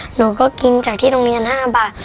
หนูก็กินจากที่โรงเรียน๕บาท